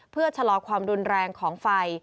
เพื่อชะลอความรุนแรงของไฟ